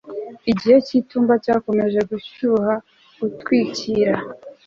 Igihe cyitumba cyakomeje gushyuha gutwikira